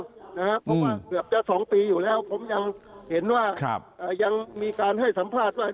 เพราะว่าเกือบจะ๒ปีอยู่แล้วผมยังเห็นว่ายังมีการให้สัมภาษณ์ว่า